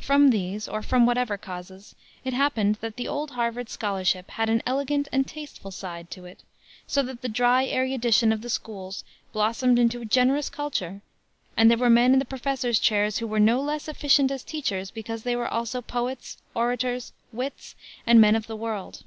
From these, or from whatever causes, it happened that the old Harvard scholarship had an elegant and tasteful side to it, so that the dry erudition of the schools blossomed into a generous culture, and there were men in the professors' chairs who were no less efficient as teachers because they were also poets, orators, wits and men of the world.